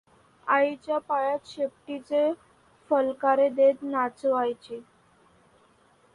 आईच्या पायांत शेपटीचे फलकारे देत नाचावयाची.